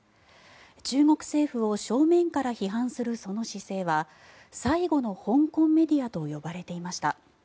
中国政府を正面から批判するその姿勢は最後の香港メディアと呼ばれていました。